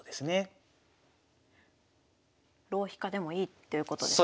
浪費家でもいいっていうことですか？